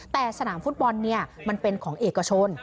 แต่สนามฟุตบอลมันเป็นของเอกชน